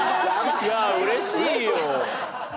いやあうれしいよ。